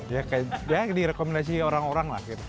ya di rekomendasi orang orang lah